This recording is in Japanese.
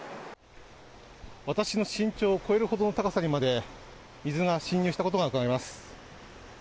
私の身長を超えるほどの高さにまで、水が浸入したことがうかがえます。